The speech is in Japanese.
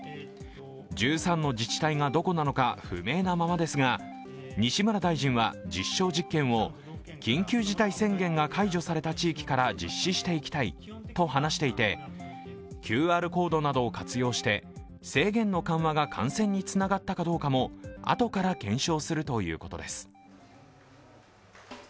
１３の自治体がどこなのか不明なままですが西村大臣は、実証実験を緊急事態宣言が解除された地域から実施していきたいと話していて、ＱＲコードなどを活用して、制限の緩和が感染につながったかどうかもあとから検証するということです。